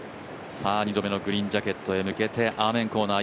２度目のグリーンジャケットへ向けて、アーメンコーナー、